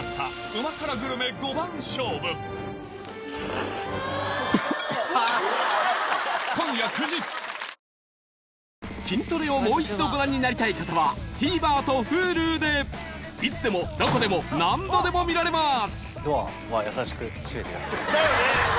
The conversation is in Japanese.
わかるぞ『キントレ』をもう一度ご覧になりたい方はＴＶｅｒとＨｕｌｕでいつでもどこでも何度でも見られます